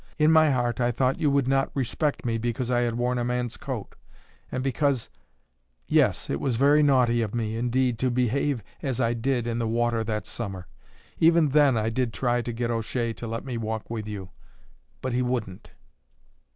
In my heart I thought you would not respect me because I had worn a man's coat; and because Yes, it was very naughty of me indeed to behave as I did in the water that summer. Even then I did try to get O'Shea to let me walk with you, but he wouldn't."